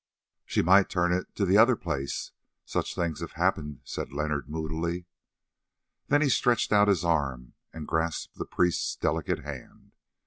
"She might turn it to the other place; such things have happened," said Leonard moodily. Then he stretched out his arm and grasped the priest's delicate hand.